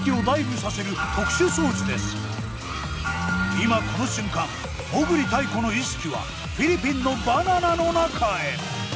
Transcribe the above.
今この瞬間裳繰泰子の意識はフィリピンのバナナの中へ。